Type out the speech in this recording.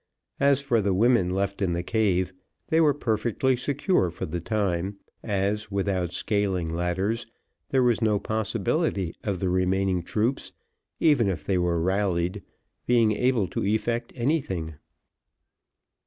As for the women left in the cave, they were perfectly secure for the time, as, without scaling ladders, there was no possibility of the remaining troops, even if they were rallied, being able to effect anything.